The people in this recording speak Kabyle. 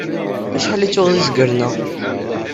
Acḥal i d-tuɣeḍ izgaren-a?